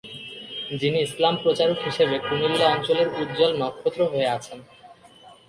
যিনি ইসলাম প্রচারক হিসেবে কুমিল্লা অঞ্চলের উজ্জ্বল নক্ষত্র হয়ে আছেন।